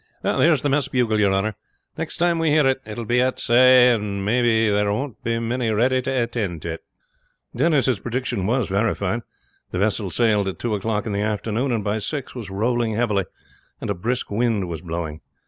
There's the mess bugle, your honor. Next time we hear it, it will be at say, and maybe there won't be many ready to attind to it." Denis' prediction was verified. The vessel sailed at two o'clock in the afternoon, and by six was rolling heavily, and a brisk wind was blowing.